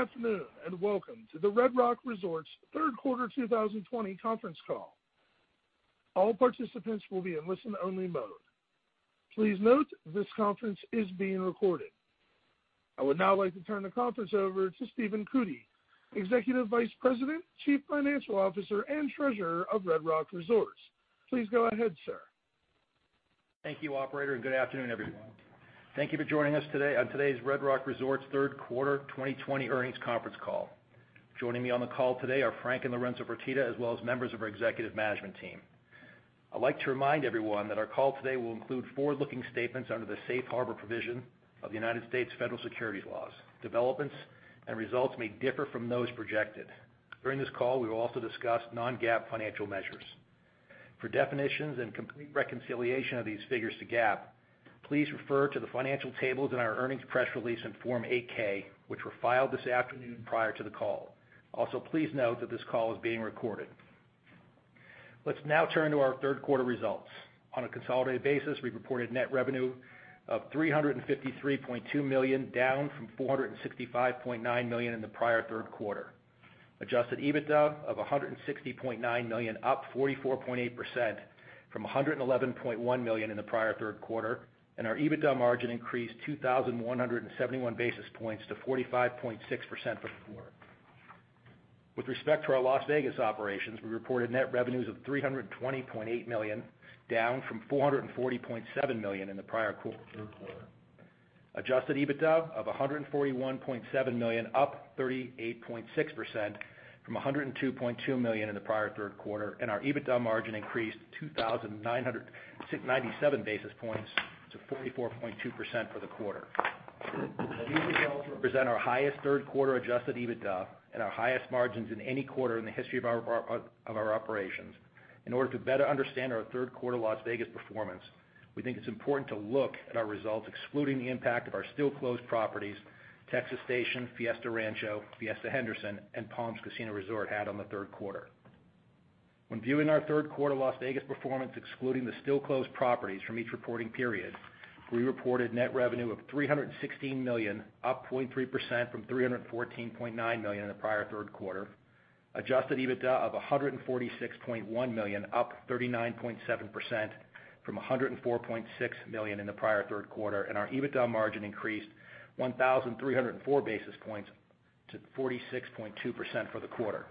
Good afternoon, and welcome to the Red Rock Resorts third quarter 2020 conference call. All participants will be in listen-only mode. Please note this conference is being recorded. I would now like to turn the conference over to Stephen Cootey, Executive Vice President, Chief Financial Officer, and Treasurer of Red Rock Resorts. Please go ahead, sir. Thank you, operator. Good afternoon, everyone. Thank you for joining us today on today's Red Rock Resorts third quarter 2020 earnings conference call. Joining me on the call today are Frank and Lorenzo Fertitta, as well as members of our executive management team. I would like to remind everyone that our call today will include forward-looking statements under the safe harbor provision of U.S. federal securities laws. Developments and results may differ from those projected. During this call, we will also discuss non-GAAP financial measures. For definitions and complete reconciliation of these figures to GAAP, please refer to the financial tables in our earnings press release in Form 8-K, which were filed this afternoon prior to the call. Please note that this call is being recorded. Let's now turn to our third quarter results. On a consolidated basis, we reported net revenue of $353.2 million, down from $465.9 million in the prior third quarter. Adjusted EBITDA of $160.9 million, up 44.8% from $111.1 million in the prior third quarter. Our EBITDA margin increased 2,171 basis points to 45.6% for the quarter. With respect to our Las Vegas operations, we reported net revenues of $320.8 million, down from $440.7 million in the prior third quarter. Adjusted EBITDA of $141.7 million, up 38.6% from $102.2 million in the prior third quarter. Our EBITDA margin increased 2,997 basis points to 44.2% for the quarter. These results represent our highest third quarter adjusted EBITDA and our highest margins in any quarter in the history of our operations. In order to better understand our third quarter Las Vegas performance, we think it's important to look at our results excluding the impact of our still-closed properties, Texas Station, Fiesta Rancho, Fiesta Henderson, and Palms Casino Resort had on the third quarter. When viewing our third quarter Las Vegas performance excluding the still-closed properties from each reporting period, we reported net revenue of $316 million, up 0.3% from $314.9 million in the prior third quarter. Adjusted EBITDA of $146.1 million, up 39.7% from $104.6 million in the prior third quarter. Our EBITDA margin increased 1,304 basis points to 46.2% for the quarter.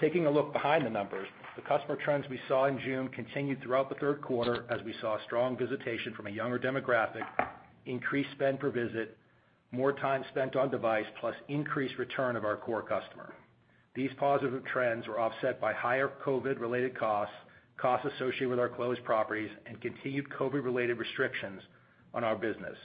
Taking a look behind the numbers, the customer trends we saw in June continued throughout the third quarter as we saw strong visitation from a younger demographic, increased spend per visit, more time spent on device, plus increased return of our core customer. These positive trends were offset by higher COVID-related costs associated with our closed properties, and continued COVID-related restrictions on our business.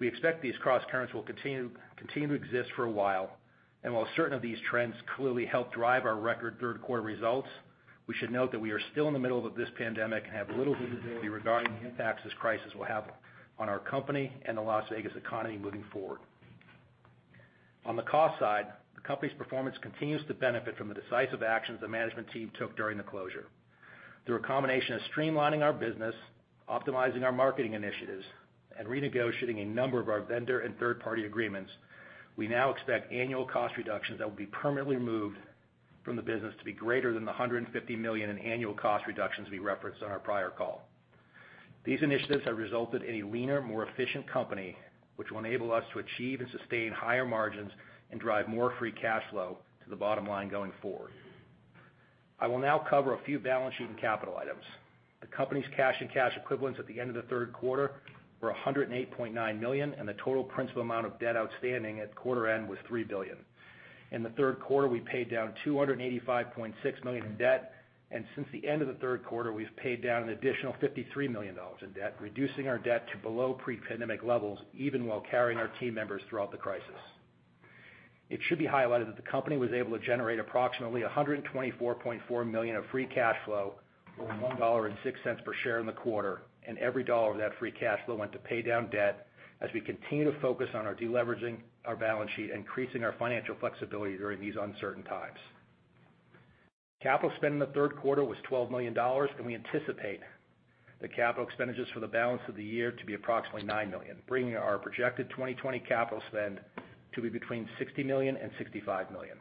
We expect these crosscurrents will continue to exist for a while, and while certain of these trends clearly helped drive our record third quarter results, we should note that we are still in the middle of this pandemic and have little visibility regarding the impact this crisis will have on our company and the Las Vegas economy moving forward. On the cost side, the company's performance continues to benefit from the decisive actions the management team took during the closure. Through a combination of streamlining our business, optimizing our marketing initiatives, and renegotiating a number of our vendor and third-party agreements, we now expect annual cost reductions that will be permanently removed from the business to be greater than the $150 million in annual cost reductions we referenced on our prior call. These initiatives have resulted in a leaner, more efficient company, which will enable us to achieve and sustain higher margins and drive more free cash flow to the bottom line going forward. I will now cover a few balance sheet and capital items. The company's cash and cash equivalents at the end of the third quarter were $108.9 million, and the total principal amount of debt outstanding at quarter end was $3 billion. In the third quarter, we paid down $285.6 million in debt, and since the end of the third quarter, we've paid down an additional $53 million in debt, reducing our debt to below pre-pandemic levels, even while carrying our team members throughout the crisis. It should be highlighted that the company was able to generate approximately $124.4 million of free cash flow or $1.06 per share in the quarter, and every dollar of that free cash flow went to pay down debt as we continue to focus on our deleveraging our balance sheet, increasing our financial flexibility during these uncertain times. Capital spend in the third quarter was $12 million, and we anticipate the capital expenditures for the balance of the year to be approximately $9 million, bringing our projected 2020 capital spend to be between $60 million and $65 million.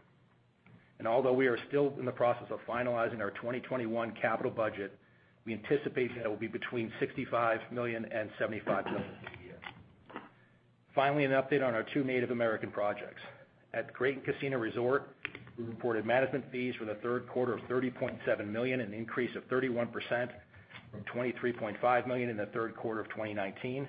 Although we are still in the process of finalizing our 2021 capital budget, we anticipate that it will be between $65 million and $75 million for the year. Finally, an update on our two Native American projects. At Graton Resort & Casino, we reported management fees for the third quarter of $30.7 million, an increase of 31% from $23.5 million in the third quarter of 2019.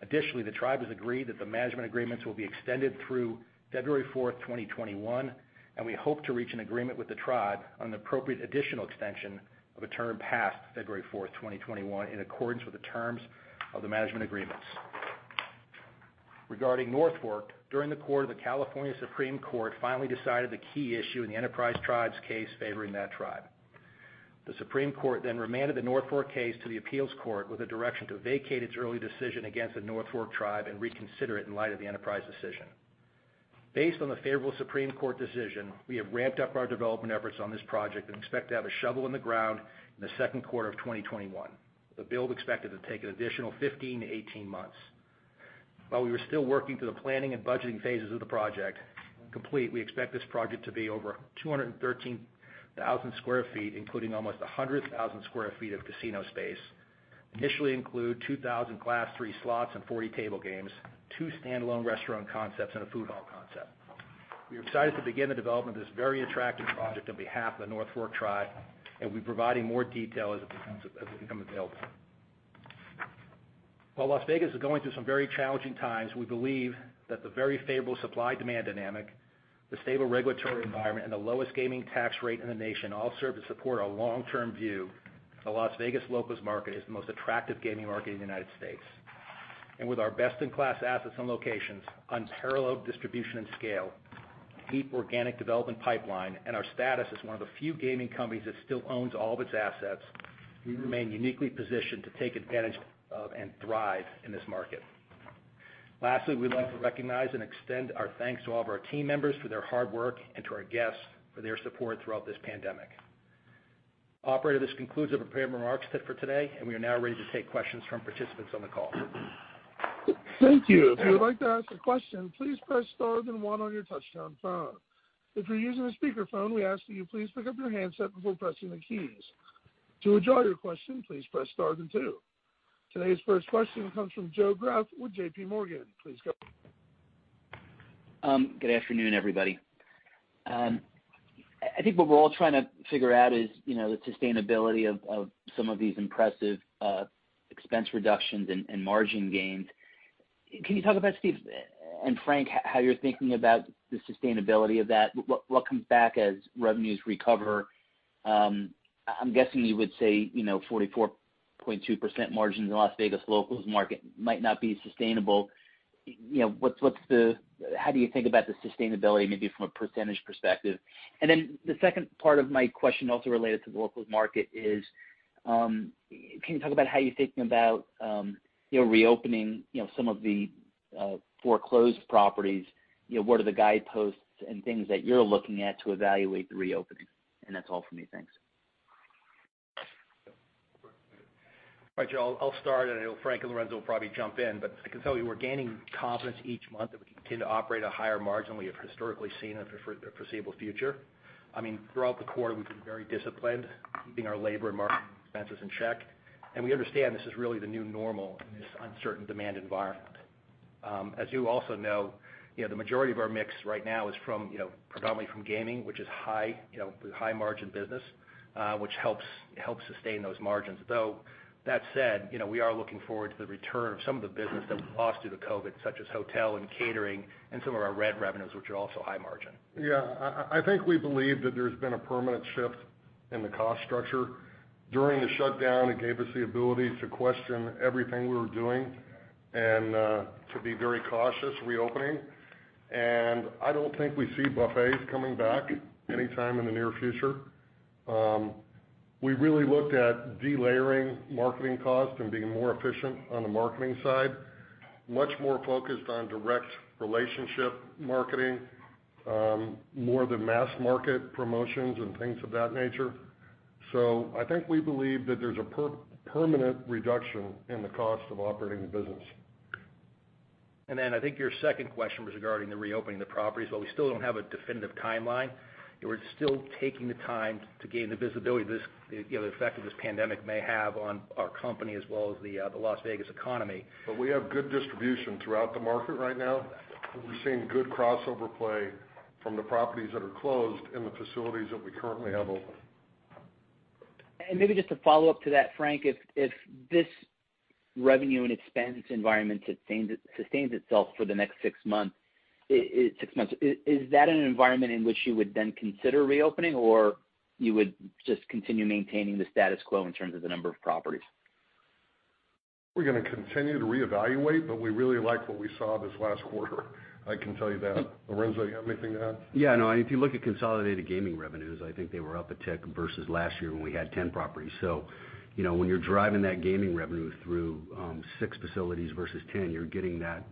Additionally, the tribe has agreed that the management agreements will be extended through February 4, 2021, and we hope to reach an agreement with the tribe on an appropriate additional extension of a term past February 4, 2021, in accordance with the terms of the management agreements. Regarding North Fork, during the quarter, the California Supreme Court finally decided the key issue in the Enterprise Rancheria's case favoring that tribe. The Supreme Court remanded the North Fork case to the appeals court with a direction to vacate its early decision against the North Fork Tribe and reconsider it in light of the Enterprise decision. Based on the favorable Supreme Court decision, we have ramped up our development efforts on this project and expect to have a shovel in the ground in the second quarter of 2021, with the build expected to take an additional 15 to 18 months. While we were still working through the planning and budgeting phases of the project, we expect this project to be over 213,000 sq ft, including almost 100,000 sq ft of casino space. It will initially include 2,000 Class III slots and 40 table games, two standalone restaurant concepts, and a food hall concept. We are excited to begin the development of this very attractive project on behalf of the North Fork Tribe, and we'll be providing more detail as it becomes available. While Las Vegas is going through some very challenging times, we believe that the very favorable supply-demand dynamic, the stable regulatory environment, and the lowest gaming tax rate in the nation all serve to support a long-term view that the Las Vegas locals market is the most attractive gaming market in the United States. With our best-in-class assets and locations, unparalleled distribution and scale, deep organic development pipeline, and our status as one of the few gaming companies that still owns all of its assets, we remain uniquely positioned to take advantage of and thrive in this market. Lastly, we'd like to recognize and extend our thanks to all of our team members for their hard work and to our guests for their support throughout this pandemic. Operator, this concludes the prepared remarks for today. We are now ready to take questions from participants on the call. Thank you. Today's first question comes from Joe Greff with J.P. Morgan. Please go ahead. Good afternoon, everybody. I think what we're all trying to figure out is the sustainability of some of these impressive expense reductions and margin gains. Can you talk about, Steve and Frank, how you're thinking about the sustainability of that? What comes back as revenues recover? I'm guessing you would say, 44.2% margins in Las Vegas locals market might not be sustainable. How do you think about the sustainability, maybe from a percentage perspective? The second part of my question also related to the locals market is, can you talk about how you're thinking about reopening some of the foure closed properties? What are the guideposts and things that you're looking at to evaluate the reopening? That's all from me. Thanks. All right, Joe. I will start, and I know Frank and Lorenzo will probably jump in. I can tell you we're gaining confidence each month that we can continue to operate at a higher margin than we have historically seen in the foreseeable future. I mean, throughout the quarter, we've been very disciplined, keeping our labor and marketing expenses in check. We understand this is really the new normal in this uncertain demand environment. As you also know, the majority of our mix right now is predominantly from gaming, which is a high margin business, which helps sustain those margins. That said, we are looking forward to the return of some of the business that we've lost due to COVID, such as hotel and catering and some of our RED revenues, which are also high margin. Yeah. I think we believe that there's been a permanent shift in the cost structure. During the shutdown, it gave us the ability to question everything we were doing and to be very cautious reopening. I don't think we see buffets coming back anytime in the near future. We really looked at delayering marketing costs and being more efficient on the marketing side, much more focused on direct relationship marketing, more the mass market promotions and things of that nature. I think we believe that there's a permanent reduction in the cost of operating the business. I think your second question was regarding the reopening of the properties. While we still don't have a definitive timeline, we're still taking the time to gain the visibility the effect of this pandemic may have on our company as well as the Las Vegas economy. We have good distribution throughout the market right now, and we're seeing good crossover play from the properties that are closed and the facilities that we currently have open. Maybe just to follow up to that, Frank, if this revenue and expense environment sustains itself for the next six months, is that an environment in which you would then consider reopening, or you would just continue maintaining the status quo in terms of the number of properties? We're going to continue to reevaluate, but we really like what we saw this last quarter. I can tell you that. Lorenzo, you have anything to add? Yeah, no. If you look at consolidated gaming revenues, I think they were up a tick versus last year when we had 10 properties. When you're driving that gaming revenue through six facilities versus 10, you're getting that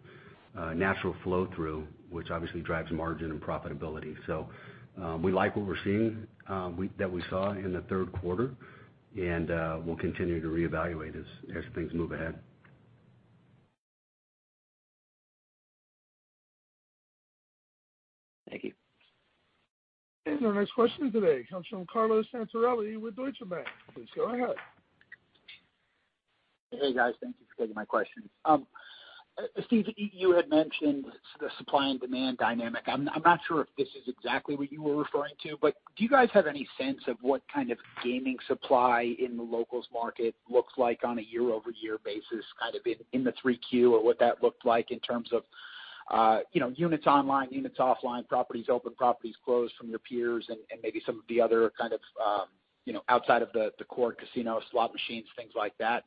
natural flow-through, which obviously drives margin and profitability. We like what we're seeing, that we saw in the third quarter, and we'll continue to reevaluate as things move ahead. Thank you. Our next question today comes from Carlo Santarelli with Deutsche Bank. Please go ahead. Hey, guys. Thank you for taking my question. Steve, you had mentioned the supply and demand dynamic. I'm not sure if this is exactly what you were referring to, but do you guys have any sense of what kind of gaming supply in the locals market looks like on a year-over-year basis, kind of in the 3Q, or what that looked like in terms of units online, units offline, properties open, properties closed from your peers and maybe some of the other kind of outside of the core casino slot machines, things like that,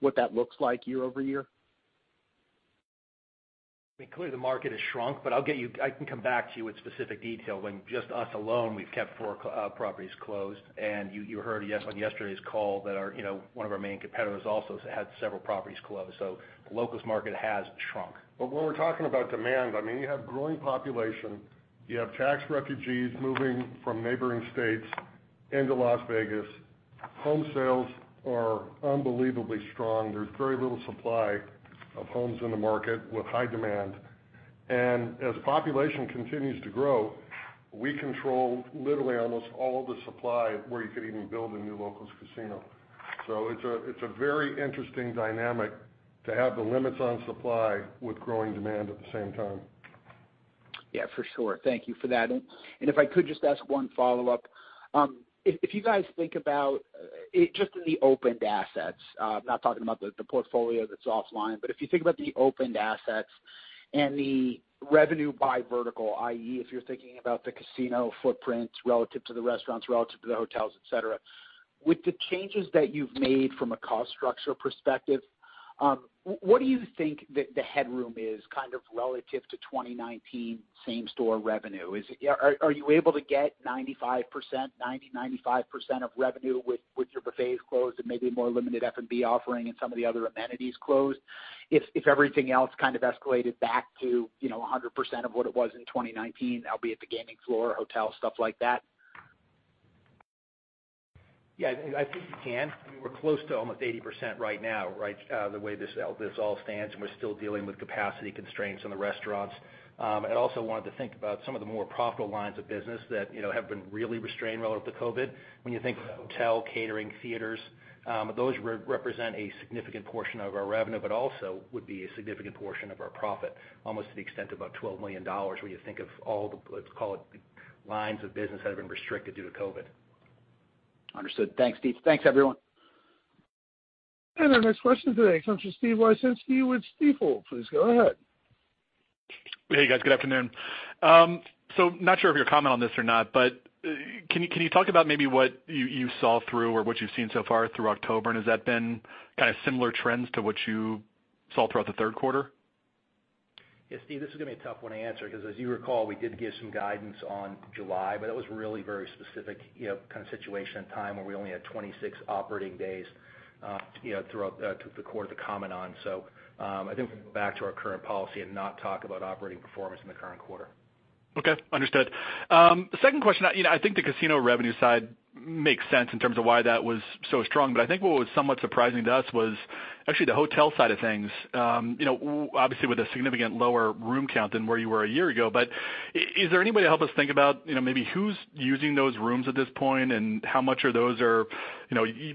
what that looks like year-over-year? Clearly, the market has shrunk. I can come back to you with specific detail. When just us alone, we've kept four properties closed. You heard on yesterday's call that one of our main competitors also has had several properties closed. The locals market has shrunk. When we're talking about demand, I mean, you have growing population, you have tax refugees moving from neighboring states into Las Vegas. Home sales are unbelievably strong. There's very little supply of homes in the market with high demand. As population continues to grow, we control literally almost all the supply where you could even build a new locals casino. It's a very interesting dynamic to have the limits on supply with growing demand at the same time. Yeah, for sure. Thank you for that. If I could just ask one follow-up. If you guys think about, just in the opened assets, I am not talking about the portfolio that's offline, but if you think about the opened assets and the revenue by vertical, i.e., if you're thinking about the casino footprints relative to the restaurants, relative to the hotels, et cetera, with the changes that you've made from a cost structure perspective, what do you think the headroom is kind of relative to 2019 same-store revenue? Are you able to get 95%, 90, 95% of revenue with your buffets closed and maybe more limited F&B offering and some of the other amenities closed if everything else kind of escalated back to 100% of what it was in 2019, albeit the gaming floor, hotel, stuff like that? Yeah, I think you can. We're close to almost 80% right now, the way this all stands, and we're still dealing with capacity constraints on the restaurants. I also wanted to think about some of the more profitable lines of business that have been really restrained relative to COVID. When you think hotel, catering, theaters, those represent a significant portion of our revenue, but also would be a significant portion of our profit, almost to the extent of about $12 million, when you think of all the, let's call it, lines of business that have been restricted due to COVID. Understood. Thanks, Steven. Thanks, everyone. Our next question today comes from Steven Wieczynski with Stifel. Please go ahead. Hey, guys. Good afternoon. Not sure if you'll comment on this or not, but can you talk about what you've seen so far through October, and has that been kind of similar trends to what you saw throughout the third quarter? Yeah, Steve, this is going to be a tough one to answer because as you recall, we did give some guidance on July, but that was really very specific kind of situation and time where we only had 26 operating days throughout the quarter to comment on. I think we can go back to our current policy and not talk about operating performance in the current quarter. Okay, understood. The second question, I think the casino revenue side makes sense in terms of why that was so strong. I think what was somewhat surprising to us was actually the hotel side of things. Obviously, with a significant lower room count than where you were a year ago, is there any way to help us think about maybe who's using those rooms at this point and how much are those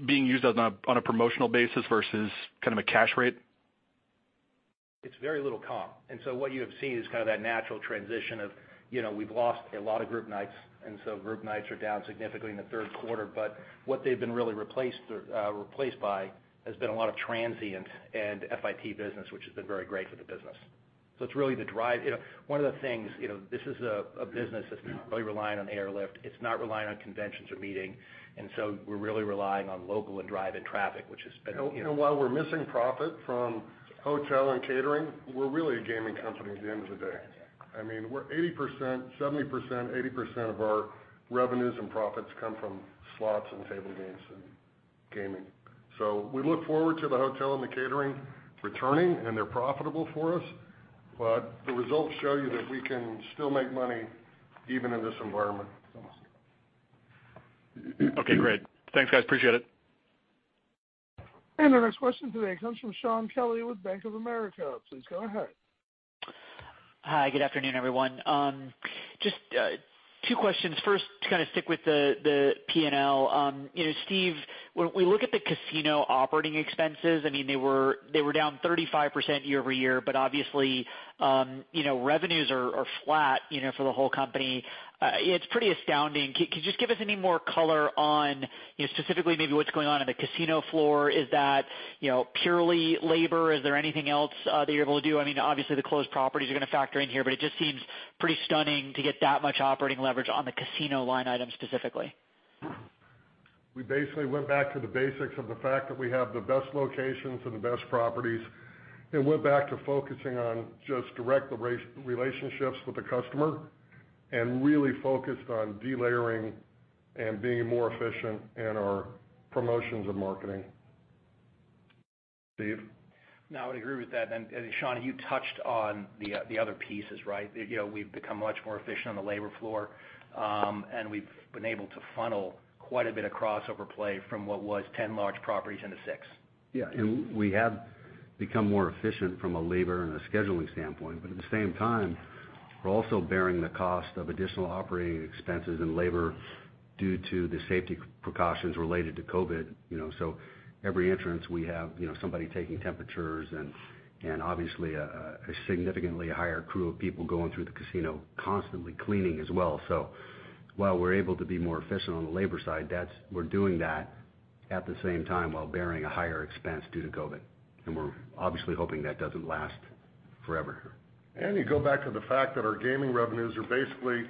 being used on a promotional basis versus kind of a cash rate? It's very little comp. What you have seen is kind of that natural transition of we've lost a lot of group nights. Group nights are down significantly in the third quarter. What they've been really replaced by has been a lot of transient and FIT business, which has been very great for the business. It's really the drive. One of the things, this is a business that's not really relying on airlift. It's not relying on conventions or meeting. We're really relying on local and drive-in traffic. While we're missing profit from hotel and catering, we're really a gaming company at the end of the day. I mean, 70% to 80% of our revenues and profits come from slots and table games and gaming. We look forward to the hotel and the catering returning, and they're profitable for us, but the results show you that we can still make money even in this environment. Okay, great. Thanks, guys, appreciate it. Our next question today comes from Shaun Kelley with Bank of America. Please go ahead. Hi, good afternoon, everyone. Just two questions. First, to kind of stick with the P&L. Steve, when we look at the casino operating expenses, I mean, they were down 35% year-over-year, obviously, revenues are flat for the whole company. It's pretty astounding. Can you just give us any more color on specifically maybe what's going on in the casino floor? Is that purely labor? Is there anything else that you're able to do? I mean, obviously, the closed properties are going to factor in here, it just seems pretty stunning to get that much operating leverage on the casino line item specifically. We basically went back to the basics of the fact that we have the best locations and the best properties and went back to focusing on just direct relationships with the customer and really focused on delayering and being more efficient in our promotions and marketing. Steve? No, I would agree with that. Shaun, you touched on the other pieces, right? We've become much more efficient on the labor floor, and we've been able to funnel quite a bit of crossover play from what was 10 large properties into six. Yeah, we have become more efficient from a labor and a scheduling standpoint. At the same time, we're also bearing the cost of additional operating expenses and labor due to the safety precautions related to COVID. Every entrance, we have somebody taking temperatures and obviously a significantly higher crew of people going through the casino constantly cleaning as well. While we're able to be more efficient on the labor side, we're doing that at the same time while bearing a higher expense due to COVID. We're obviously hoping that doesn't last forever. You go back to the fact that our gaming revenues are basically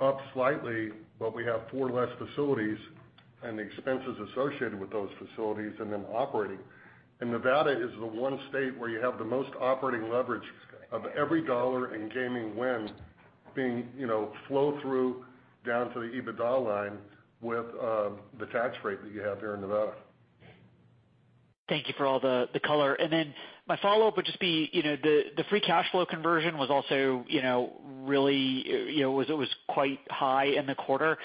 up slightly, but we have four less facilities and the expenses associated with those facilities and them operating. Nevada is the one state where you have the most operating leverage of every dollar in gaming win being flow through down to the EBITDA line with the tax rate that you have here in Nevada. Thank you for all the color. My follow-up would just be, the free cash flow conversion was also really quite high in the quarter.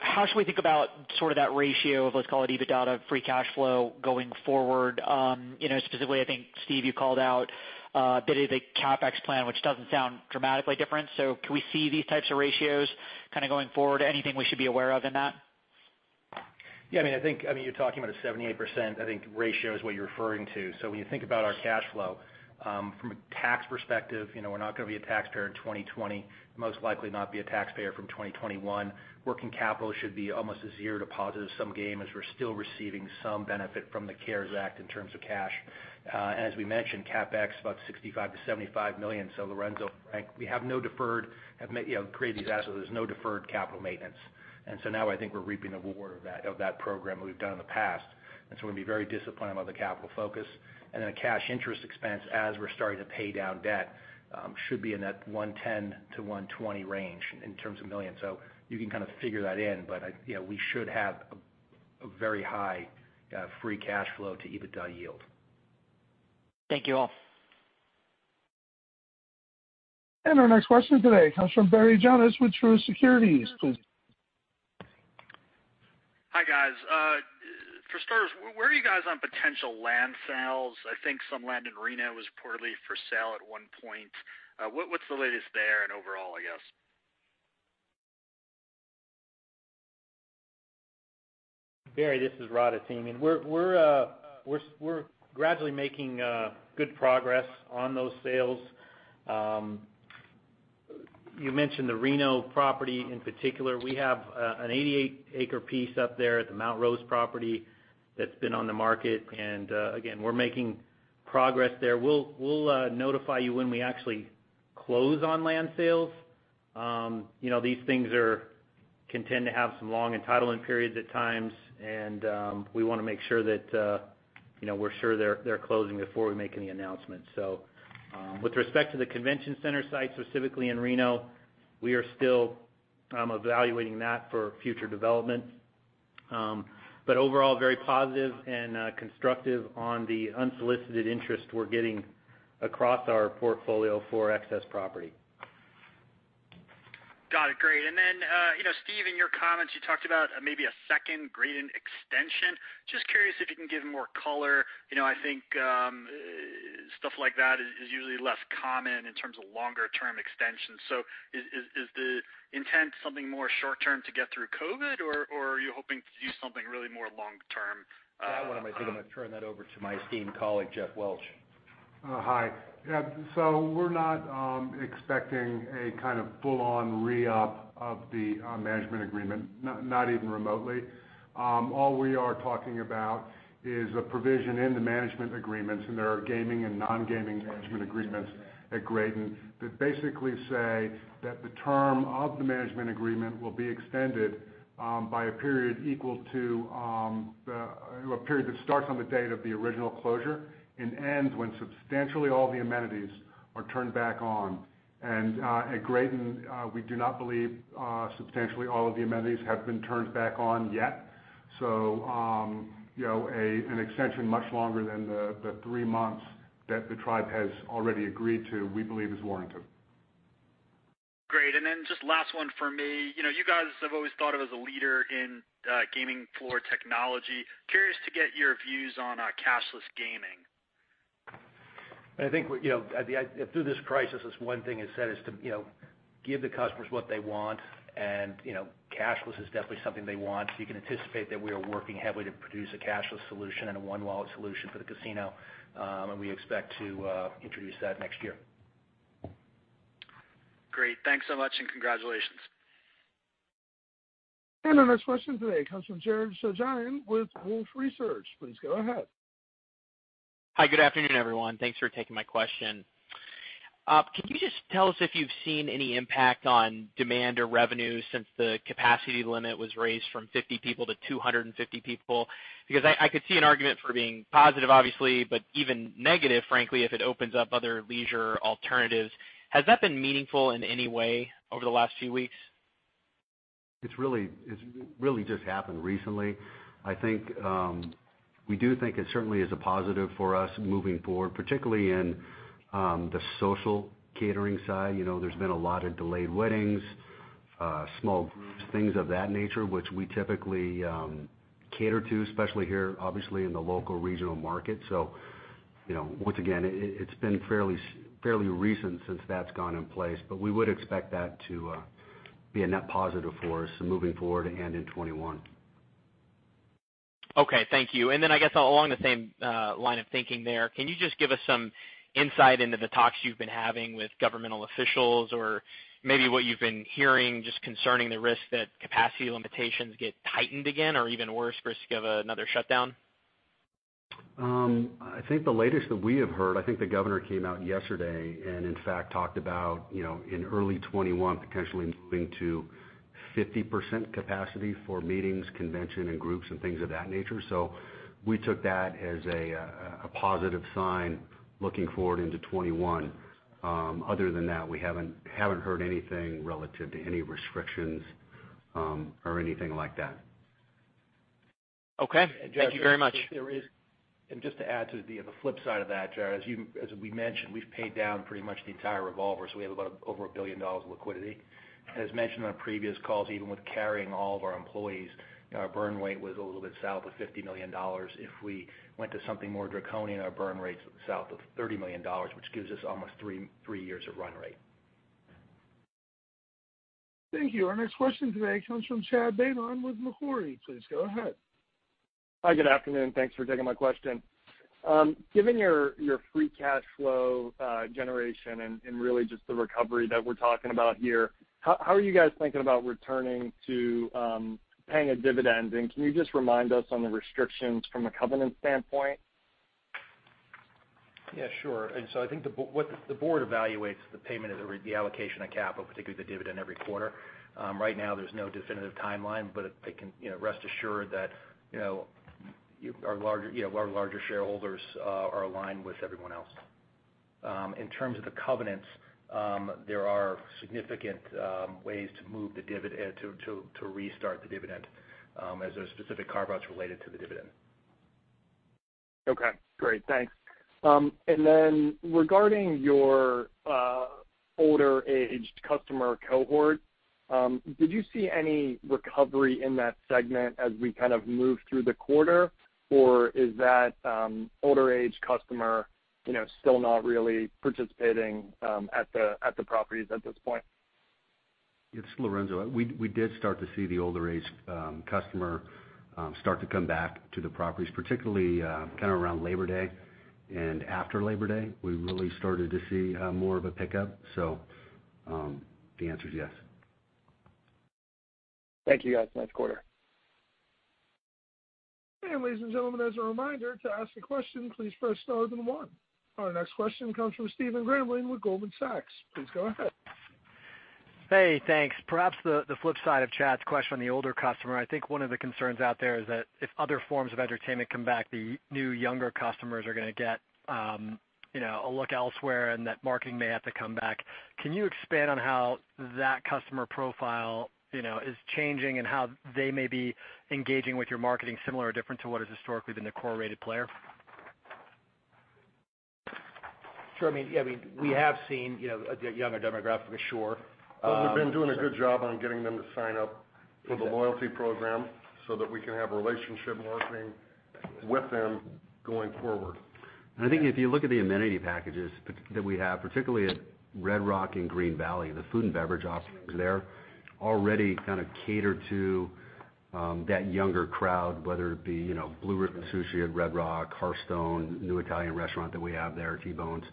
How should we think about that ratio of, let's call it EBITDA free cash flow going forward? Specifically, I think, Steve, you called out a bit of a CapEx plan, which doesn't sound dramatically different. Can we see these types of ratios going forward? Anything we should be aware of in that? Yeah. I think you're talking about a 78%, I think, ratio is what you're referring to. When you think about our cash flow from a tax perspective, we're not going to be a taxpayer in 2020, most likely not be a taxpayer from 2021. Working capital should be almost a zero to positive sum game, as we're still receiving some benefit from the CARES Act in terms of cash. As we mentioned, CapEx, about $65 million to $75 million. Lorenzo, Frank, we have no deferred. I've created these assets. There's no deferred capital maintenance. Now I think we're reaping the reward of that program we've done in the past. We're going to be very disciplined about the capital focus and then the cash interest expense as we're starting to pay down debt should be in that $110 million to $120 million range. You can kind of figure that in. We should have a very high free cash flow to EBITDA yield. Thank you all. Our next question today comes from Barry Jonas with Truist Securities. Please. Hi, guys. For starters, where are you guys on potential land sales? I think some land in Reno was previously for sale at one point. What's the latest there and overall, I guess? Barry, this is Rod Atamian, we're gradually making good progress on those sales. You mentioned the Reno property in particular. We have an 88-acre piece up there at the Mount Rose property that's been on the market. Again, we're making progress there. We'll notify you when we actually close on land sales. These things can tend to have some long entitlement periods at times, and we want to make sure that we're sure they're closing before we make any announcements. With respect to the convention center site, specifically in Reno, we are still evaluating that for future development. Overall, very positive and constructive on the unsolicited interest we're getting across our portfolio for excess property. Got it. Great. Then Steven, in your comments, you talked about maybe a second Graton extension. Just curious if you can give more color. I think stuff like that is usually less common in terms of longer-term extensions. Is the intent something more short-term to get through COVID, or are you hoping to do something really more long-term? That one, I think I'm going to turn that over to my esteemed colleague, Geoff Welch. Hi. Yeah, we're not expecting a kind of full-on re-up of the management agreement, not even remotely. All we are talking about is a provision in the management agreements, there are gaming and non-gaming management agreements at Graton that basically say that the term of the management agreement will be extended by a period that starts on the date of the original closure and ends when substantially all the amenities are turned back on. At Graton, we do not believe substantially all of the amenities have been turned back on yet. An extension much longer than the three months that the tribe has already agreed to, we believe is warranted. Great. Just last one for me. You guys have always thought of as a leader in gaming floor technology. Curious to get your views on cashless gaming. I think through this crisis, this one thing is said is to give the customers what they want, and cashless is definitely something they want. You can anticipate that we are working heavily to produce a cashless solution and a one-wallet solution for the casino, and we expect to introduce that next year. Great. Thanks so much, and congratulations. Our next question today comes from Jared Shojaian with Wolfe Research. Please go ahead. Hi. Good afternoon, everyone. Thanks for taking my question. Can you just tell us if you've seen any impact on demand or revenue since the capacity limit was raised from 50 people to 250 people? I could see an argument for being positive, obviously, but even negative, frankly, if it opens up other leisure alternatives. Has that been meaningful in any way over the last few weeks? It's really just happened recently. We do think it certainly is a positive for us moving forward, particularly in the social catering side. There's been a lot of delayed weddings, small groups, things of that nature, which we typically cater to, especially here, obviously in the local regional market. Once again, it's been fairly recent since that's gone in place, but we would expect that to be a net positive for us moving forward and in 2021. Okay, thank you. I guess along the same line of thinking there, can you just give us some insight into the talks you've been having with governmental officials or maybe what you've been hearing just concerning the risk that capacity limitations get tightened again or even worse risk of another shutdown? The latest that we have heard, I think the governor came out yesterday and in fact talked about in early 2021, potentially moving to 50% capacity for meetings, convention and groups and things of that nature. We took that as a positive sign looking forward into 2021. Other than that, we haven't heard anything relative to any restrictions. Anything like that. Okay. Thank you very much. Just to add to the flip side of that, Jared, as we mentioned, we've paid down pretty much the entire revolver, we have about over $1 billion in liquidity. As mentioned on previous calls, even with carrying all of our employees, our burn rate was a little bit south of $50 million. If we went to something more draconian, our burn rate's south of $30 million, which gives us almost three years of run rate. Thank you. Our next question today comes from Chad Beynon with Macquarie. Please go ahead. Hi, good afternoon. Thanks for taking my question. Given your free cash flow generation and really just the recovery that we're talking about here, how are you guys thinking about returning to paying a dividend? Can you just remind us on the restrictions from a covenant standpoint? Yeah, sure. I think what the board evaluates the payment is the allocation of capital, particularly the dividend every quarter. Right now there's no definitive timeline, but they can rest assured that our larger shareholders are aligned with everyone else. In terms of the covenants, there are significant ways to restart the dividend, as there are specific carve-outs related to the dividend. Okay, great. Thanks. Regarding your older aged customer cohort, did you see any recovery in that segment as we kind of moved through the quarter, or is that older aged customer still not really participating at the properties at this point? It's Lorenzo. We did start to see the older aged customer start to come back to the properties, particularly kind of around Labor Day and after Labor Day, we really started to see more of a pickup. The answer is yes. Thank you, guys. Nice quarter. Ladies and gentlemen, as a reminder, to ask a question, please press star then one. Our next question comes from Stephen Grambling with Goldman Sachs. Please go ahead. Hey, thanks. Perhaps the flip side of Chad's question on the older customer, I think one of the concerns out there is that if other forms of entertainment come back, the new younger customers are going to get a look elsewhere and that marketing may have to come back. Can you expand on how that customer profile is changing and how they may be engaging with your marketing similar or different to what has historically been the core rated player? Sure. We have seen a younger demographic, for sure. We've been doing a good job on getting them to sign up for the loyalty program so that we can have relationship marketing with them going forward. I think if you look at the amenity packages that we have, particularly at Red Rock and Green Valley, the food and beverage offerings there already kind of cater to that younger crowd, whether it be Blue Ribbon Sushi at Red Rock, Hearthstone, new Italian restaurant that we have there, T-Bones,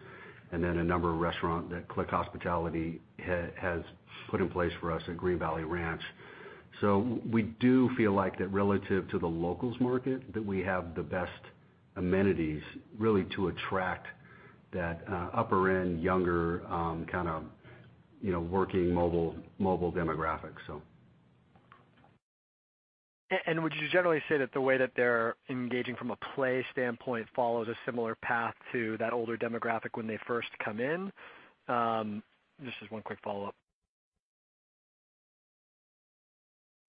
and then a number of restaurants that Clique Hospitality has put in place for us at Green Valley Ranch. We do feel like that relative to the locals market, that we have the best amenities really to attract that upper-end, younger, kind of working mobile demographic, so Would you generally say that the way that they're engaging from a play standpoint follows a similar path to that older demographic when they first come in? Just as one quick follow-up.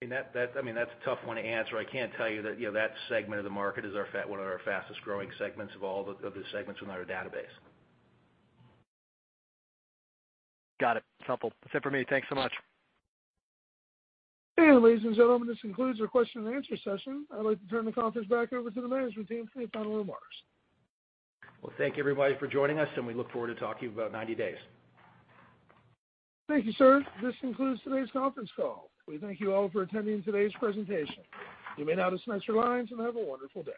That's a tough one to answer. I can't tell you that segment of the market is one of our fastest-growing segments of all of the segments within our database. Got it. Helpful. That's it for me. Thanks so much. Ladies and gentlemen, this concludes our question and answer session. I'd like to turn the conference back over to the management team for any final remarks. Well, thank you everybody for joining us, and we look forward to talking to you in about 90 days. Thank you, sir. This concludes today's conference call. We thank you all for attending today's presentation. You may now disconnect your lines and have a wonderful day.